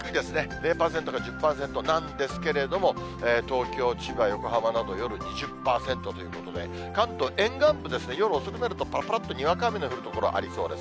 ０％か１０％なんですけれども、東京、千葉、横浜など夜２０％ということで、関東沿岸部ですね、夜遅くなると、ぱらぱらっとにわか雨の降る所ありそうです。